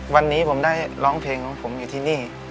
วันนี้ผมได้ร้องเพลงของผมอยู่ที่นี่